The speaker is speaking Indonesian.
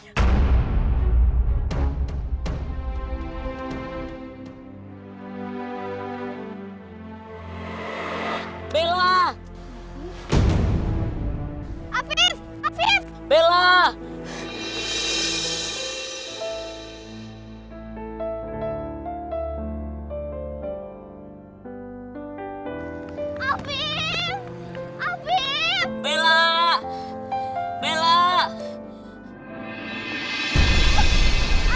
tante tidak akan membiarkan afif bawa bella ke rumah kita